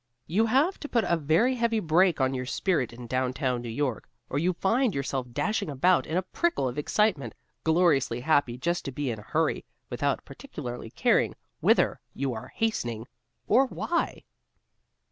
You have to put a very heavy brake on your spirit in downtown New York or you find yourself dashing about in a prickle of excitement, gloriously happy just to be in a hurry, without particularly caring whither you are hastening, or why.